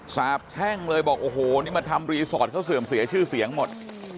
สาบแช่งเลยบอกโอ้โหนี่มาทำรีสอร์ทเขาเสื่อมเสียชื่อเสียงหมด